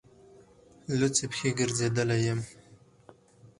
لوڅې پښې ګرځېدلی یم.